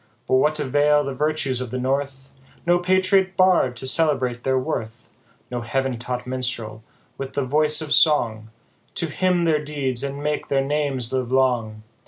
But what avail the virtues of the North, No Patriot Bard to celebrate their worth, No heav'n taught Minstrel, with the voice of song, To hymn their deeds, and make their names live long